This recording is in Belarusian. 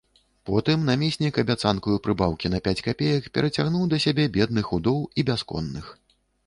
Потым намеснік абяцанкаю прыбаўкі на пяць капеек перацягнуў да сябе бедных удоў і бясконных.